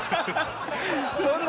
そんな。